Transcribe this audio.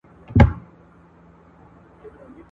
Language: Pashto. وږی تږی د غار خوله کي غځېدلی ..